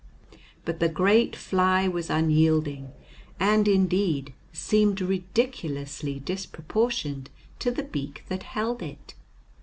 But the great fly was unyielding, and, indeed, seemed ridiculously disproportioned to the beak that held it.